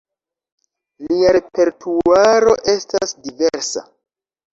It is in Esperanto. Lia repertuaro estas diversa.